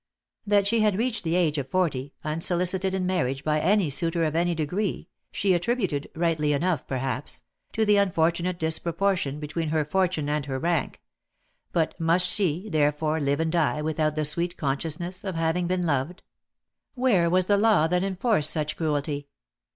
That she had reached the age of forty, unsolicited in marriage by any suitor of any de gree, she attributed, rightly enough perhaps, to the unfortunate disproportion between her fortune and her rank — but must she, therefore, live and die without the sweet consciousness of having been loved ? Where was the law that enforced such cruelty